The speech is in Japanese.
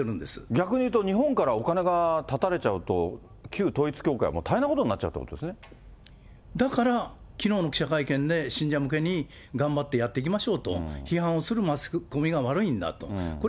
逆に言うと、日本からお金が断たれちゃうと旧統一教会も大変なことになっちゃだから、きのうの記者会見で、信者向けに、頑張ってやっていきましょうと、批判をするマスコミが悪いんだと。